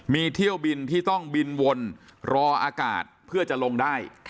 มีเที่ยวบินที่ต้องบินวนรออากาศเพื่อจะลงได้